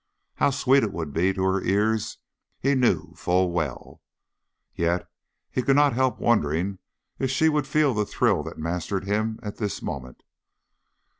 How sweet it would be to her ears he knew full well, yet he could not help wondering if she would feel the thrill that mastered him at this moment.